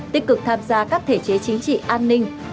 tích cực tham gia các thể chế chính trị an ninh